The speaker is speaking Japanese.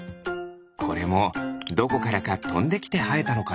これもどこからかとんできてはえたのかな？